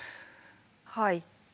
はい。